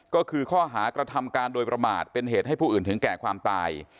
ก็คือข้อหากระทำการโดยประมาทเป็นเหตุให้ผู้อื่นถึงแก่ความตาย